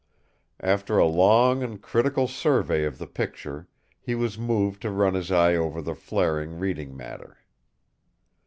After a long and critical survey of the picture, he was moved to run his eye over the flaring reading matter.